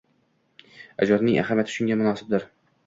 ijodining ahamiyati shunga munosibdir.